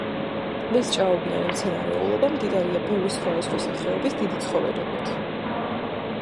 ტბის ჭაობიანი მცენარეულობა მდიდარია ბევრი სხვადასხვა სახეობის დიდი ცხოველებით.